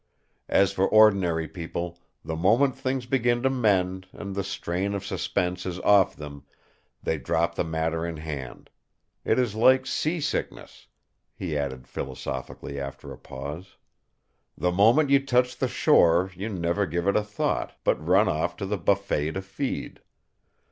As for ordinary people, the moment things begin to mend, and the strain of suspense is off them, they drop the matter in hand. It is like sea sickness," he added philosophically after a pause; "the moment you touch the shore you never give it a thought, but run off to the buffet to feed!